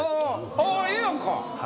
ああええやんか。